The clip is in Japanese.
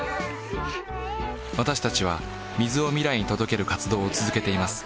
私たちは水を未来に届ける活動を続けています